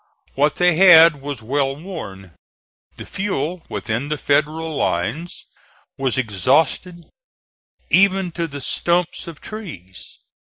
What they had was well worn. The fuel within the Federal lines was exhausted, even to the stumps of trees.